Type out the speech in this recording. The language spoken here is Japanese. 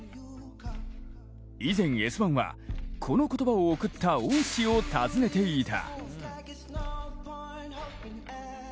以前、「Ｓ☆１」はこの言葉を贈った恩師を訪ねていた。